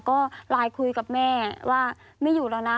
ก็ไลน์คุยกับแม่ว่าไม่อยู่แล้วนะ